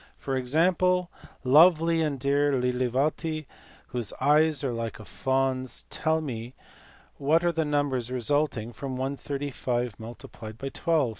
For example, " Lovely and dear Lilavati, whose eyes are like a fawn s, tell me what are the numbers resulting from 135 multiplied by 12.